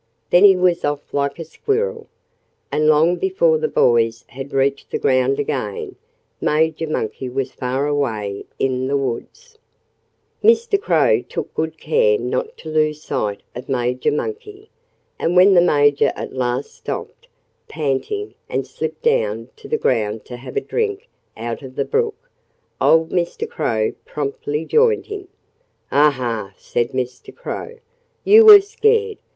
Then he was off like a squirrel. And long before the boys had reached the ground again Major Monkey was far away in the woods. Mr. Crow took good care not to lose sight of Major Monkey. And when the Major at last stopped, panting, and slipped down to the ground to have a drink out of the brook, old Mr. Crow promptly joined him. "Aha!" said Mr. Crow. "You were scared.